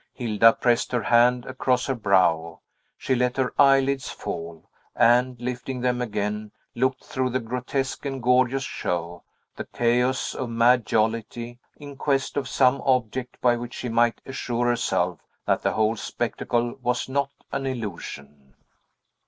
Hilda pressed her hand across her brow; she let her eyelids fall, and, lifting them again, looked through the grotesque and gorgeous show, the chaos of mad jollity, in quest of some object by which she might assure herself that the whole spectacle was not an illusion.